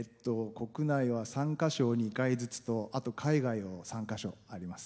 国内は３か所を２回ずつとあと海外を３か所あります。